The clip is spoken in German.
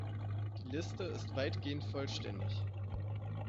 Die Liste ist weitgehend vollständig.